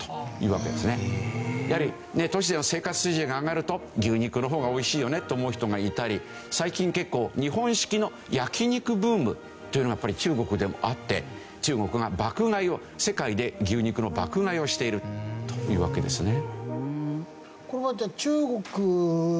やはり都市の生活水準が上がると牛肉の方が美味しいよねと思う人がいたり最近結構日本式の焼き肉ブームというのがやっぱり中国でもあって中国が爆買いを世界で牛肉の爆買いをしているというわけですね。